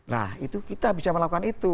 nah itu kita bisa melakukan itu